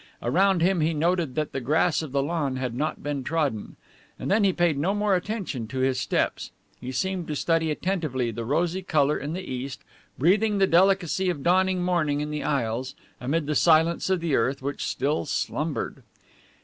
Around him he noted that the grass of the lawn had not been trodden. And then he paid no more attention to his steps. He seemed to study attentively the rosy color in the east, breathing the delicacy of dawning morning in the Isles, amid the silence of the earth, which still slumbered.